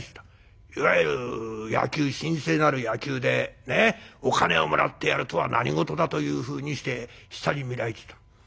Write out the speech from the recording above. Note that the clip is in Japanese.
いわゆる神聖なる野球でお金をもらってやるとは何事だというふうにして下に見られてた。